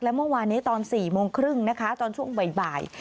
และเมื่อวานนี้ตอน๔โมงครึ่งนะคะตอนช่วงบ่าย